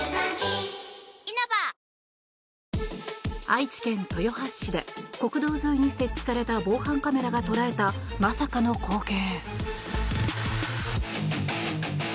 愛知県豊橋市で国道沿いに設置された防犯カメラが捉えたまさかの光景。